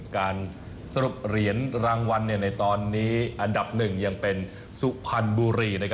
การสรุปเหรียญรางวัลในตอนนี้อันดับ๑ยังเป็นสุพรรณบุรี